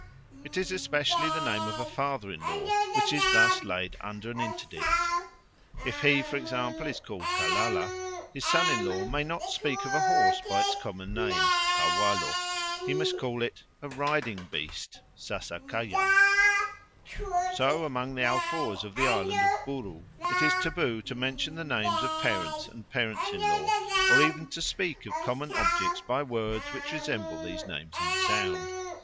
It is especially the name of a father in law which is thus laid under an interdict. If he, for example, is called Kalala, his son in law may not speak of a horse by its common name kawalo; he must call it a "riding beast" (sasakajan). So among the Alfoors of the island of Buru it is taboo to mention the names of parents and parents in law, or even to speak of common objects by words which resemble these names in sound.